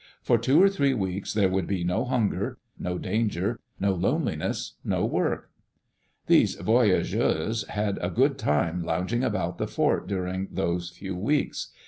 For two or three weeks there would be no hunger, no danger, no loneliness, no work. Those voyageurs had a good time lounging about the fort during those few weeks.